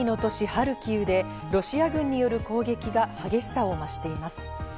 ハルキウでロシア軍による攻撃が激しさを増しています。